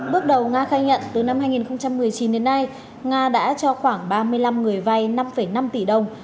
bước đầu nga khai nhận từ năm hai nghìn một mươi chín đến nay nga đã cho khoảng ba mươi năm người vay năm năm tỷ đồng